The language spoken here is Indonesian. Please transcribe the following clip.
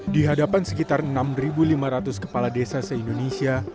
di hadapan sekitar enam lima ratus kepala desa se indonesia